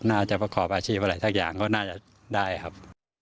น่าจะประกอบอาชีพอะไรสักอย่างก็น่าจะได้ครับ